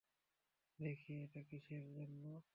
দেখি এইটা কিসের জন্য?